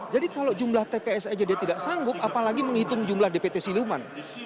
jadi kalau jumlah tps aja dia tidak sanggup apalagi menghitung jumlah dpt siluman